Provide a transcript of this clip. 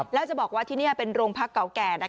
แล้วจะบอกว่าที่นี่เป็นโรงพักเก่าแก่